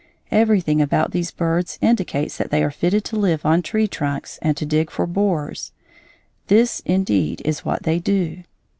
Everything about these birds indicates that they are fitted to live on tree trunks and to dig for borers. This, indeed, is what they do.